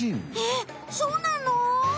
えっそうなの？